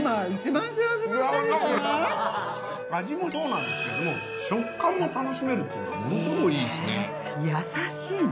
味もそうなんですけども食感も楽しめるというのはものすごいいいですね。